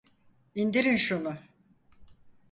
İndirin şunu!